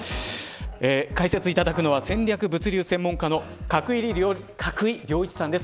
解説いただくのは戦略物流専門家の角井亮一さんです。